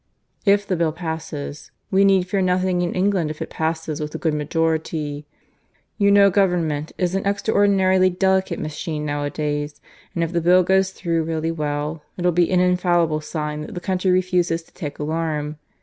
"If the Bill passes, we need fear nothing in England if it passes with a good majority. You know Government is an extraordinarily delicate machine nowadays; and if the Bill goes through really well, it'll be an infallible sign that the country refuses to take alarm.